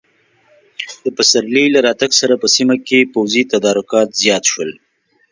د پسرلي له راتګ سره په سیمه کې پوځي تدارکات زیات شول.